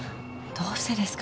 どうしてですか？